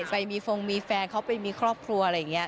ไปมีฟงมีแฟนเขาไปมีครอบครัวอะไรอย่างนี้